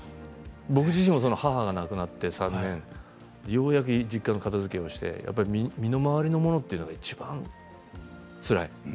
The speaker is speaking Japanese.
僕自身も母が亡くなって３年ようやく実家の片づけをして身の回りのものというのはいちばん、つらいですね。